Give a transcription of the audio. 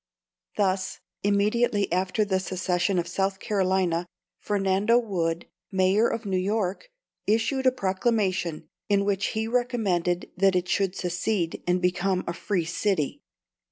Thus, immediately after the secession of South Carolina, Fernando Wood, Mayor of New York, issued a proclamation, in which he recommended that it should secede, and become a "free city."